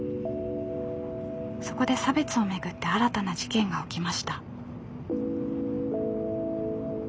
そこで差別をめぐって新たな事件が起きました。